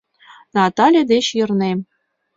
Натале деч йырнем?